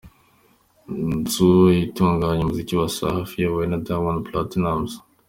nzu itunganya umuziki Wasafi iyobowe na Diamond Platnumz.